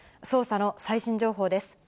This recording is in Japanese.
捜査の最新情報です。